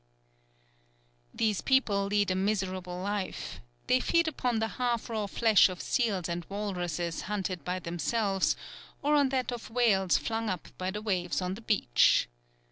These people lead a miserable life. They feed upon the half raw flesh of seals and walruses hunted by themselves, or on that of whales flung up by the waves on the beach.